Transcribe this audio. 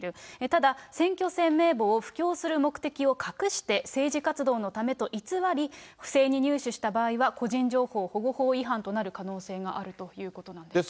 ただ、選挙戦名簿を布教する目的を隠して、政治活動のためと偽り、不正に入手した場合は、個人情報保護法違反となる可能性があるということなんです。